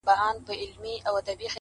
• زلمي کلونه د زمان پر ګوتو ورغړېدل -